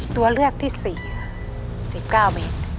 ตัวเลือกที่๔ค่ะ๑๙เมตร